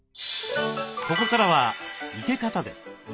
ここからは生け方です。